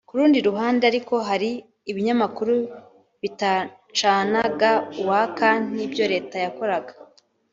Ku rundi ruhande ariko hari ibinyamakuru bitacanaga uwaka n’ibyo Leta yakoraga